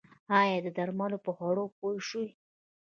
ایا د درملو په خوړلو پوه شوئ؟